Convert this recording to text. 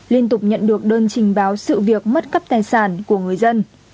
liên tục nhận được đơn trình báo sự việc mất cắp tài sản của người dân